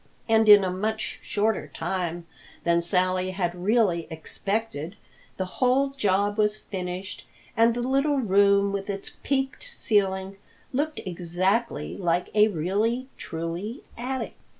And in a much shorter time than Sally had really expected, the whole job was finished and the little room with its peaked ceiling looked exactly like a really truly attic.